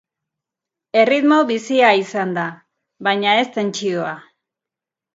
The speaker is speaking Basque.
Erritmo bizia izan da, baina ez tentsioa.